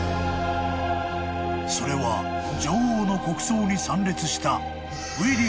［それは女王の国葬に参列した］